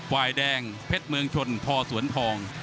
วายแดงเผ็ดเมืองชนพสวนทอง